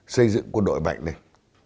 xây dựng quân đội mạnh lên